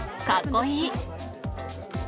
かっこいい。